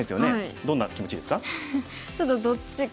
どんな気持ちですか？